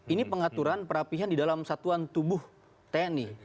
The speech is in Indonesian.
ini pengaturan perapihan di dalam satuan tubuh tni